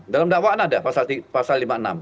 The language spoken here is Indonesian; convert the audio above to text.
dalam dakwaan ada pasal lima puluh enam